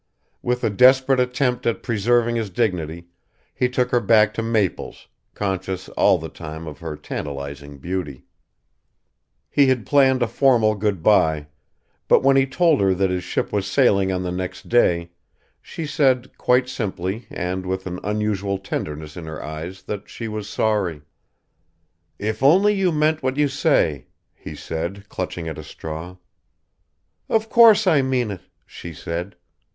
With a desperate attempt at preserving his dignity he took her back to Maple's, conscious all the time, of her tantalising beauty. He had planned a formal goodbye; but when he told her that his ship was sailing on the next day, she said, quite simply and with an unusual tenderness in her eyes that she was sorry. "If only you meant what you say..." he said, clutching at a straw. "Of course I mean it," she said.